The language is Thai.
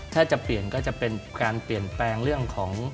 ถ้าจะเปลี่ยนก็จะเป็นการเปลี่ยนแปลงเรื่องของ